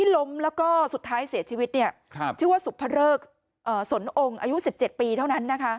ล้มแล้วก็สุดท้ายเสียชีวิตเนี้ยนะครับชื่อว่าอ่าสนองภ์อายุสิบเจ็ดปีเท่านั้นนะคะ